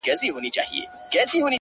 • څوک چي له گلاب سره ياري کوي،